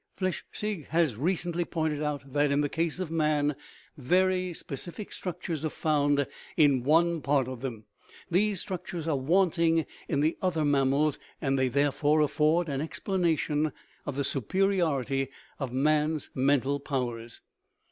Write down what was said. Flechsig has recently pointed out that, in the case of man, very specific structures are found in one part of them ; these structures are wanting in the other mam mals, and they, therefore, afford an explanation of the superiority of man's mental powers.